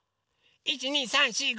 １２３４５。